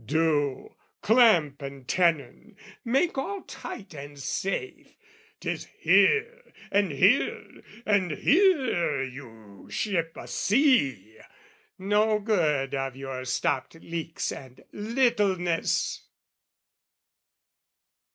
"Do, clamp and tenon, make all tight and safe! "'Tis here and here and here you ship a sea, "No good of your stopped leaks and littleness!"